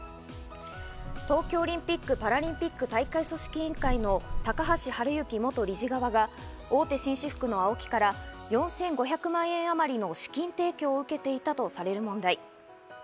東京オリンピック・パラリンピック大会組織委員会の高橋治之元理事側が大手紳士服のＡＯＫＩから４５００万円あまりの資金提供を受けていたとされる問題。